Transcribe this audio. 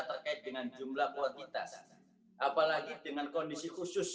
terkait dengan jumlah kuantitas apalagi dengan kondisi khusus